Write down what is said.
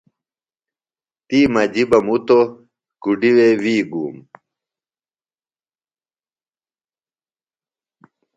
تی مجی بہ مُتوۡ۔ کُڈی وے وی گُوم۔